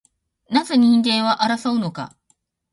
なぜ人間は争うのか